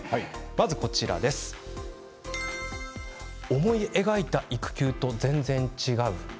まずは思い描いた育休と全然違う。